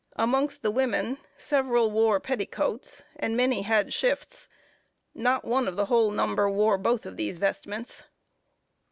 Amongst the women, several wore petticoats, and many had shifts. Not one of the whole number wore both of these vestments.